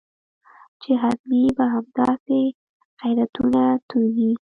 چې حتمي به همداسې غیرتونه توږي.